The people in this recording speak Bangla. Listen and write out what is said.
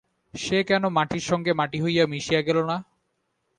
সে কেন মাটির সঙ্গে মাটি হইয়া মিশিয়া গেল না!